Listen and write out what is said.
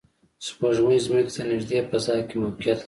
سپوږمۍ ځمکې ته نږدې فضا کې موقعیت لري